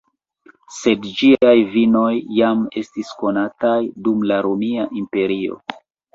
Sed ĝiaj vinoj jam estis konataj dum la Romia Imperio.